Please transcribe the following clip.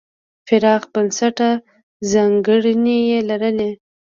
پراخ بنسټه ځانګړنې یې لرلې.